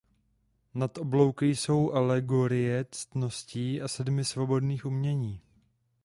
Nad oblouky jsou alegorie ctností a sedmi svobodných umění.